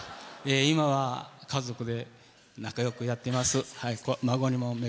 今は家族で仲よくやってます。